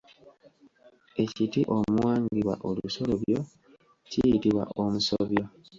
Ekiti omuwangibwa olusolobyo kiyitibwa Omusobyo.